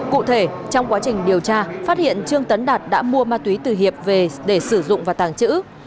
cụ thể trong quá trình điều tra phát hiện trương tấn đạt đã mua ma túy từ hiệp về để sử dụng và tàng trữ